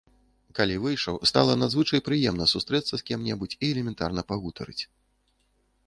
Калі выйшаў, стала надзвычай прыемна сустрэцца з кім-небудзь і элементарна пагутарыць.